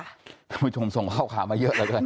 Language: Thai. คุณผู้ชมส่งข้าวขามาเยอะแล้วกัน